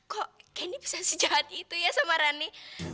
kok candy bisa sejauh itu ya sama rani